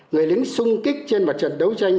người lính xung kích trên mặt trận đấu tranh